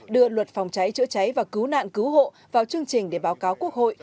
đưa luật phòng cháy chữa cháy và cứu nạn cứu hộ vào chương trình để báo cáo quốc hội